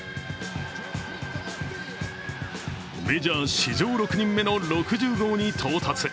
メジャー史上６人目の６０号に到達。